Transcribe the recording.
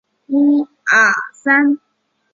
复齿脂鲤科为辐鳍鱼纲脂鲤目的一个科。